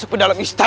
terima kasih olah